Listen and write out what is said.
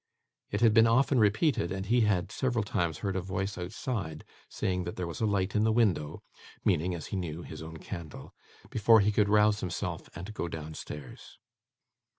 It had been often repeated, and he had, several times, heard a voice outside, saying there was a light in the window (meaning, as he knew, his own candle), before he could rouse himself and go downstairs.